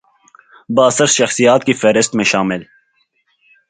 بااثر شخصیات کی فہرست میں شامل